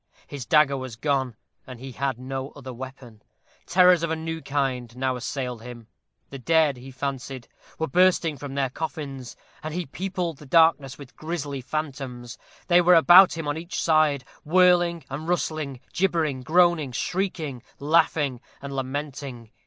His dagger was gone, and he had no other weapon. Terrors of a new kind now assailed him. The dead, he fancied, were bursting from their coffins, and he peopled the darkness with grisly phantoms. They were around about him on each side, whirling and rustling, gibbering, groaning, shrieking, laughing, and lamenting.